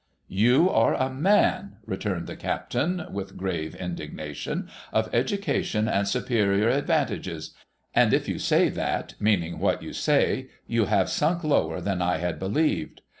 ' You are a man,' returned the Captain, with grave indignation, ' of education and superior advantages ; and if you .say that, meaning what you say, you have sunk lower than I had believed.